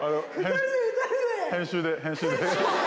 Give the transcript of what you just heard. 編集で、編集で。